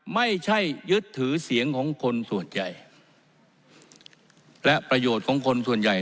ไม่ใช่ยึดถือเสียงของคนส่วนใหญ่และประโยชน์ของคนส่วนใหญ่